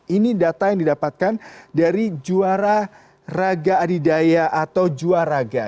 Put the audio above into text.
ini data yang didapatkan dari juara raga adidaya atau juaraga